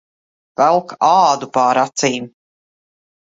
Velk ādu pār acīm.